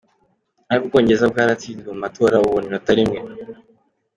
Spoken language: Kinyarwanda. Ariko u Bwongereza bwaratsinzwe mu matora, bubona inota rimwe.